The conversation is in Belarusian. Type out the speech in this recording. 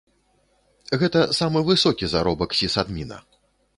Гэта самы высокі заробак сісадміна.